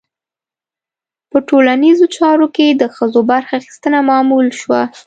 په ټولنیزو چارو کې د ښځو برخه اخیستنه معمول شوه.